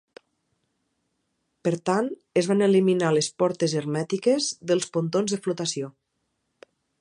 Per tant, es van eliminar les portes hermètiques del pontons de flotació.